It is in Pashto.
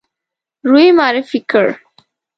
روی معرفي کړ.